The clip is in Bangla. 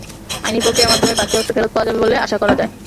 আইনি প্রক্রিয়ার মাধ্যমে বাকি অর্থও ফেরত পাওয়া যাবে বলে আশা করা যায়।